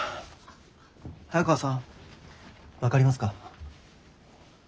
早川さん分かりますか？